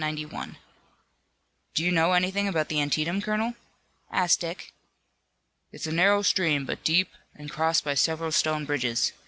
191. "Do you know anything about the Antietam, colonel?" asked Dick. "It's a narrow stream, but deep, and crossed by several stone bridges.